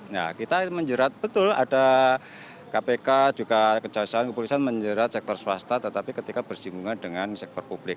nah kita menjerat betul ada kpk juga kejaksaan kepolisian menjerat sektor swasta tetapi ketika bersinggungan dengan sektor publik